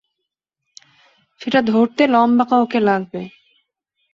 সেটা ধরতে লম্বা কাউকে লাগবে।